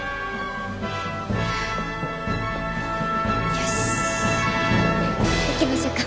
よし行きましょか。